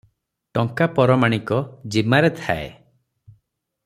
ଟଙ୍କା ପରମାଣିକ ଜିମାରେ ଥାଏ ।